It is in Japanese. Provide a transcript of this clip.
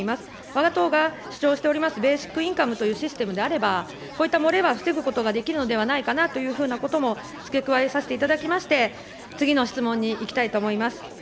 わが党が主張しておりますベーシックインカムというシステムであれば、こういった漏れは防ぐことはできるのではないのかなというふうなことも付け加えさせていただきまして、次の質問に行きたいと思います。